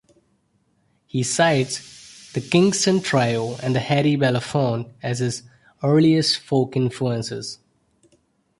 He cites The Kingston Trio and Harry Belafonte as his earliest folk influences.